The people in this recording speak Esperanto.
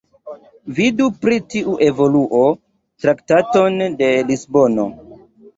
Vidu pri tiu evoluo Traktaton de Lisbono.